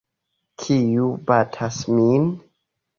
Kiu batas min?